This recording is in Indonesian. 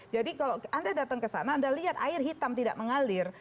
jadi kalau anda datang ke sana anda lihat air hitam tidak mengalir